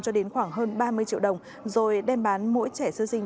cho đến khoảng hơn ba mươi triệu đồng rồi đem bán mỗi trẻ sơ sinh